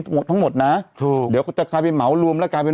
๒๐๒๒แบบนี้ทั้งหมดนะถูกเดี๋ยวก็จะกลายไปเหมารวมแล้วก็กลายเป็น